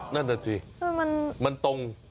นั่นแน่จริงมันตรง